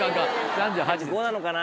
３５なのかな？